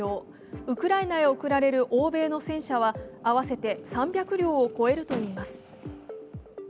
ウクライナへ送られる欧米の戦車は合わせて３００両を超えるといいます。